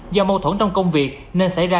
do mâu thuẫn trong công việc nên xảy ra